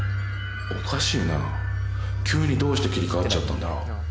おかしいな急にどうして切り替わっちゃったんだろう？